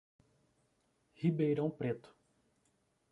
Ribeirão Preto